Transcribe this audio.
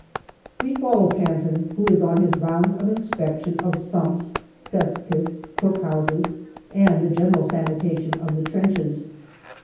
We follow Panton, who is on his round of inspection of sumps, cesspits, cookhouses, and the general sanitation of the trenches.